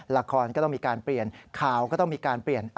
ละครก็ต้องมีการเปลี่ยนข่าวก็ต้องมีการเปลี่ยน